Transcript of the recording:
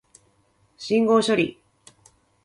信号処理